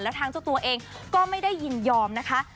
แล้วทางเจ้าตัวเองก็ไม่ได้ยินยอมนะคะ